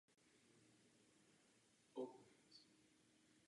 Jde o šestý díl první řady pátého seriálu ze světa Star Treku.